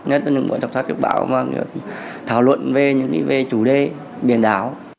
nhất là những buổi đọc sách được bảo và thảo luận về chủ đề biển đảo